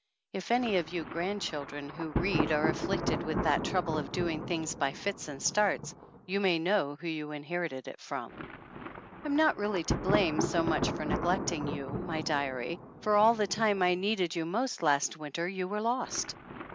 If any of you grandchildren who read are afflicted with that trouble of doing things by fits and starts you may know who you inherited it from. I'm not really to blame so much for neglecting you, my diary, for all the time I needed you most last winter you were lost.